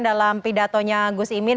dalam pidatonya gus imin